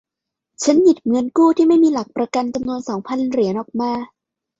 ฉันหยิบเงินกู้ที่ไม่มีหลักประกันจำนวนสองพันเหรียญออกมา